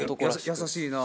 優しいなぁ。